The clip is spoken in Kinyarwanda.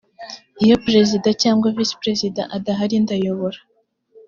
iyo perezida cyangwa visiperezida adahari ndayobora